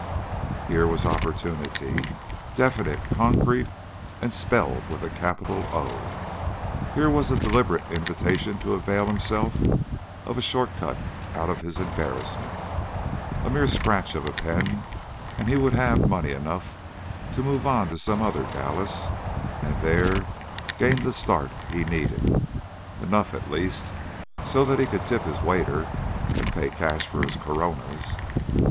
Here was opportunity, definite, concrete, and spelled with a capital O, here was a deliberate invitation to avail himself of a short cut out of his embarrassment. A mere scratch of a pen and he would have money enough to move on to some other Dallas, and there gain the start he needed enough, at least, so that he could tip his waiter and pay cash for his Coronas.